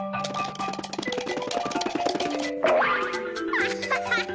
アハハハ！